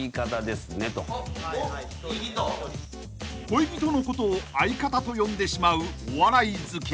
［恋人のことを「相方」と呼んでしまうお笑い好き］